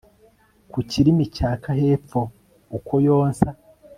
Ku kirimi cyaka hepfo uko yonsa